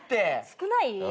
少ない？